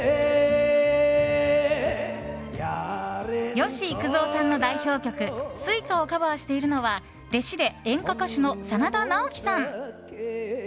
吉幾三さんの代表曲「酔歌」をカバーしているのは弟子で演歌歌手の真田ナオキさん。